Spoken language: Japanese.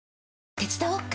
手伝おっか？